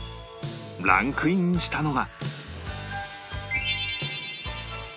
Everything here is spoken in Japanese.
ランクインしたのは